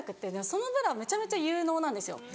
そのブラめちゃめちゃ有能なんですよ。